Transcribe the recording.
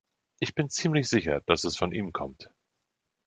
Ich bin ziemlich sicher, dass es von ihm kommt.